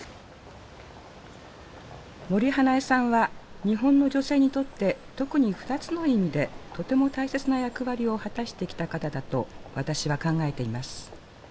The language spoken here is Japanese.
森英恵さんは日本の女性にとって特に２つの意味でとても大切な役割を果たしてきた方だと私は考えています。